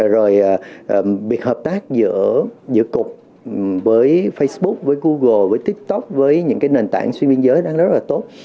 rồi việc hợp tác giữa cục với facebook với google với tiktok với những cái nền tảng xuyên biên giới đang rất là tốt